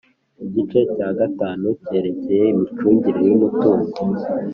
igice cya gatanu cyerekeye imicungire y umutungo